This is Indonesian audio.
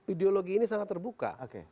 ideologi ini sangat terbuka